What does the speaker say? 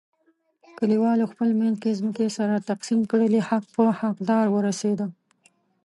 کلیوالو خپل منځ کې ځمکې سره تقسیم کړلې، حق په حق دار ورسیدا.